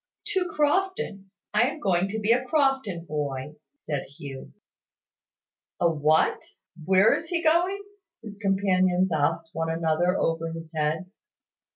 "To Crofton. I am going to be a Crofton boy," said Hugh. "A what? Where is he going?" his companions asked one another over his head.